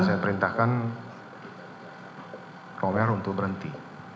saya perintahkan romer untuk berhenti